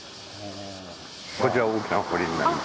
こちら大きな堀になります。